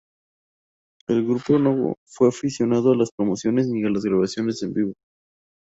El grupo no fue aficionado a las promociones ni a las grabaciones en vídeo.